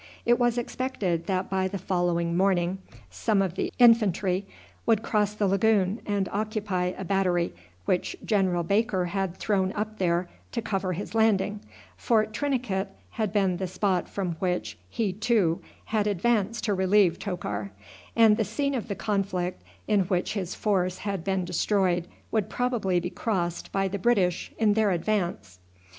It was expected that by the following morning some of the infantry would cross the lagoon and occupy a battery which General Baker had thrown up there to cover his landing, for Trinkitat had been the spot from which he too had advanced to relieve Tokar, and the scene of the conflict in which his force had been destroyed would probably be crossed by the British in their advance.